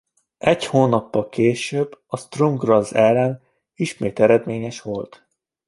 Egy hónappal később a Sturm Graz ellen ismét eredményes volt.